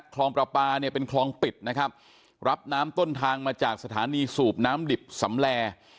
คลองประปาเนี่ยเป็นคลองปิดนะครับรับน้ำต้นทางมาจากสถานีสูบน้ำดิบสำแล